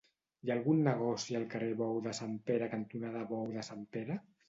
Hi ha algun negoci al carrer Bou de Sant Pere cantonada Bou de Sant Pere?